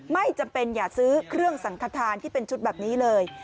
ไม่จำเป็นอย่าซื้อเครื่องสังขทานที่เป็นชุดแบบนี้เลย